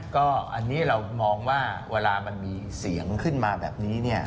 ก็อันนี้เรามองว่าเวลามันมีเสียงขึ้นมาแบบนี้เนี่ย